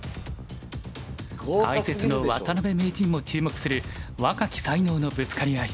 解説の渡辺名人も注目する若き才能のぶつかり合い。